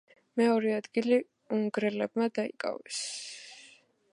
მეორე ადგილი უნგრელებმა დაიკავეს.